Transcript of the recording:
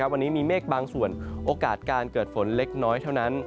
วันนี้มีเมฆบางส่วนโอกาสการเกิดฝนเล็กน้อยเท่านั้น